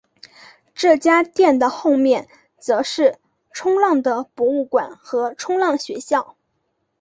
这家店的后面则是冲浪的博物馆和冲浪学校。